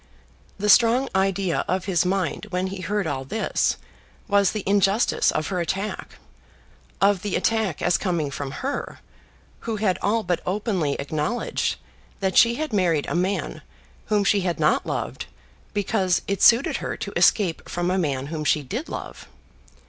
The strong idea of his mind when he heard all this was the injustice of her attack, of the attack as coming from her, who had all but openly acknowledged that she had married a man whom she had not loved because it suited her to escape from a man whom she did love.